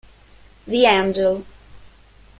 The Angel